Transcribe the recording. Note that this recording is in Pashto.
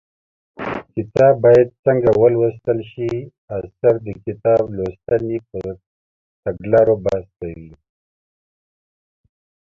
کتاب باید څنګه ولوستل شي اثر د کتاب لوستنې پر تګلارو بحث کوي